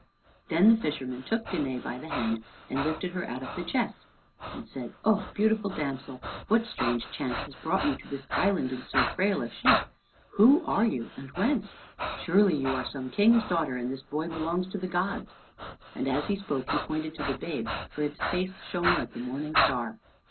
Then the fisherman took Danæ by the hand and lifted her out of the chest and said, "O beautiful damsel, what strange chance has brought you to this island in so frail a ship? Who are you, and whence? Surely you are some king's daughter, and this boy belongs to the gods." And as he spoke he pointed to the babe, for its face shone like the morning star.